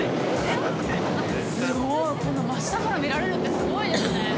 こんな真下から見られるってすごいですね。